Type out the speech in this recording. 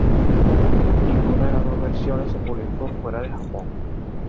Ninguna de las dos versiones se publicó fuera de Japón.